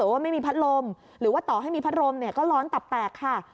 เพราะฉะนั้นถ้าเกิดว่าไม่มีพัดลมหรือว่าต่อให้มีพัดลมเนี่ยก็ร้อนตับแตกค่ะ